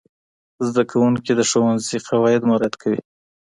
زدهکوونکي د ښوونځي قواعد مراعت کوي.